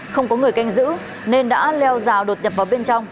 không có người canh giữ nên đã leo rào đột nhập vào bên trong